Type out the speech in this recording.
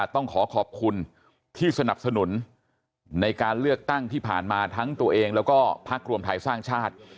ต้องขอขอบคุณที่สนับสนุนในการเลือกตั้งที่ผ่านมาทั้งตัวเองแล้วก็พักรวมไทยสร้างชาติ